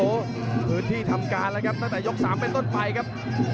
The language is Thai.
โอ้โหพื้นที่ทำการแล้วครับตั้งแต่ยก๓เป็นต้นไปครับ